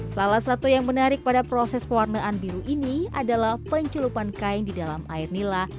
salah satu yang menarik pada proses pewarnaan biru ini adalah pencelupan kain di dalam air nila